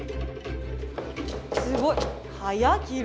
すごい！